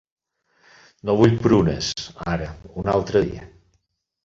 No vull prunes, ara, un altre dia.